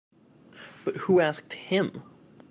But who asked him?